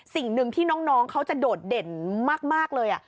สิ่งหนึ่งที่น้องเขาจะโดดเด่นมากเลย